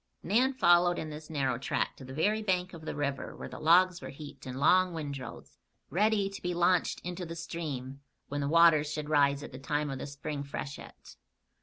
Nan followed in this narrow track to the very bank of the river where the logs were heaped in long windrows, ready to be launched into the stream when the waters should rise at the time of the spring freshet.